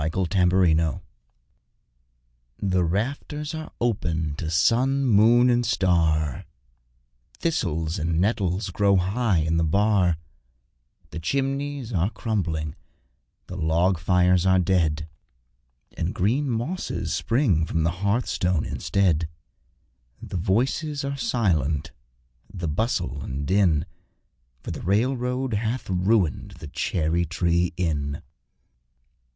Cherry Tree Inn The rafters are open to sun, moon, and star, Thistles and nettles grow high in the bar The chimneys are crumbling, the log fires are dead, And green mosses spring from the hearthstone instead. The voices are silent, the bustle and din, For the railroad hath ruined the Cherry tree Inn.